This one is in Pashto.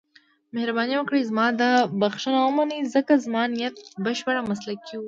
مهرباني وکړئ زما دا بښنه ومنئ، ځکه زما نیت بشپړ مسلکي و.